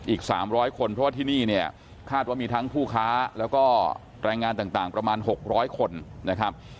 อีก๓๐๐คนเพราะว่าที่นี่เนี่ยคาดว่ามีทั้งผู้ค้าแล้วก็แรงงานต่างประมาณ๖๐๐คนนะครับ